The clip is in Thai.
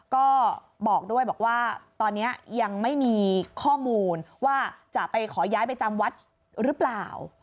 ก็บอกด้วยบอกว่าตอนนี้ยังไม่มีข้อมูลว่าจะไปขอย้ายไปจำวัดหรือเปล่า